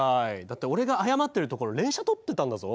だって俺が謝ってるところ連写撮ってたんだぞ。